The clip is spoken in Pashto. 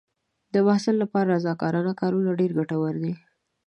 د محصل لپاره رضاکارانه کارونه ډېر ګټور دي.